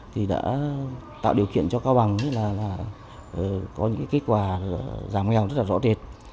thì đã tạo điều kiện cho cao bằng là có những kết quả giảm nghèo rất là rõ rệt